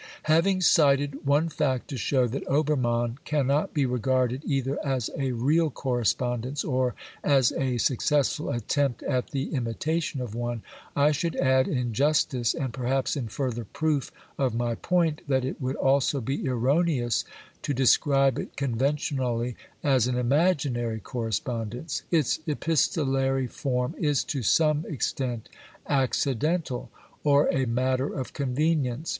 Having cited one fact to show that Obermann cannot xxvl BIOGRAPHICAL AND be regarded either as a real correspondence or as a suc cessful attempt at the imitation of one, I should add in justice, and perhaps in further proof of my point, that it would also be erroneous to describe it conventionally as an imaginary correspondence. Its epistolary form is to some extent accidental, or a matter of convenience.